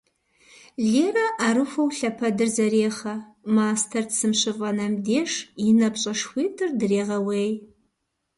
Лерэ ӏэрыхуэу лъэпэдыр зэрехъэ, мастэр цым щыфӏэнэм деж, и напщӏэшхуитӏыр дрегъэуей.